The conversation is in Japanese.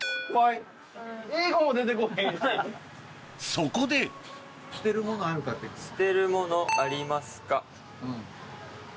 そこで「捨てるものありますか」。